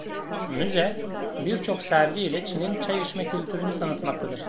Müze, birçok sergi ile Çin’in çay içme kültürünü tanıtmaktadır.